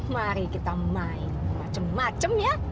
mari kita main macem macem ya